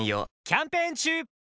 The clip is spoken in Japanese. キャンペーン中！